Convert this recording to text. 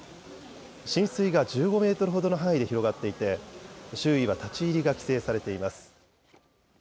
浸水が１５メートルほどの範囲で広がっていて周囲は立ち入りが規制されています。